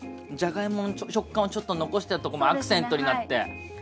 じゃがいもの食感をちょっと残してるとこもアクセントになって。